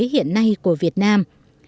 hiện nay của việt nam